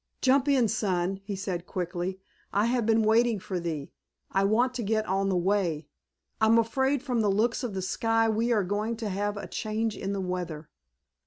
"Jump in, son," he said quickly, "I have been waiting for thee. I want to get on the way. I'm afraid from the looks of the sky we are going to have a change in the weather."